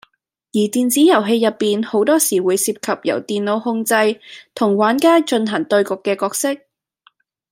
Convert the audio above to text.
而電子遊戲入面好多時會涉及由電腦控制，同玩家進行對局嘅角色